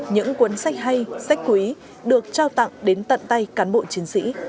những cuốn sách hay sách quý được trao tặng đến tận tay cán bộ chiến sĩ